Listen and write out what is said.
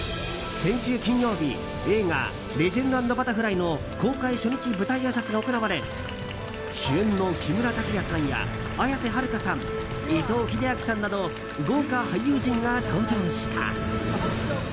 先週金曜日、映画「レジェンド＆バタフライ」の公開初日舞台あいさつが行われ主演の木村拓哉さんや綾瀬はるかさん伊藤英明さんなど豪華俳優陣が登場した。